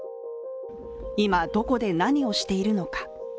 今、どこで何をしているのか。